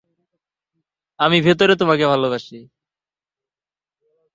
আমি ভেতরের তোমাকে ভালোবাসি।